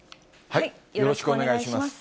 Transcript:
よろしくお願いします。